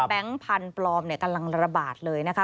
พันธุ์ปลอมกำลังระบาดเลยนะคะ